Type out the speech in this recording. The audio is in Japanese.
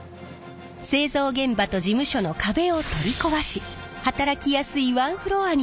製造現場と事務所の壁を取り壊し働きやすいワンフロアに改造。